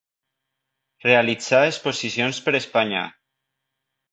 Realitzà exposicions per Espanya.